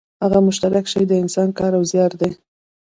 هغه مشترک شی د انسان کار او زیار دی